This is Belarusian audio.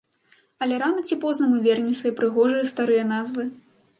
Але рана ці позна мы вернем свае прыгожыя старыя назвы.